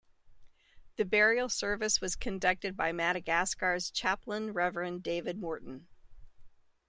The burial service was conducted by "Madagascar"'s Chaplain Reverend David Morton.